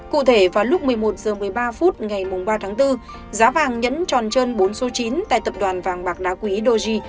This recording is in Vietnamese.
cụ thể vào lúc một mươi một h một mươi ba phút ngày ba tháng bốn giá vàng nhẫn tròn trơn bốn số chín tại tập đoàn vàng bạc đá quý doji